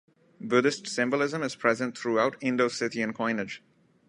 Buddhist symbolism is present throughout Indo-Scythian coinage.